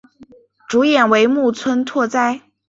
主演为木村拓哉。